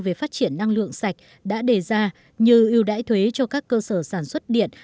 về phát triển năng lượng sạch đã đề ra như ưu đãi thuế cho các cơ sở sản xuất điện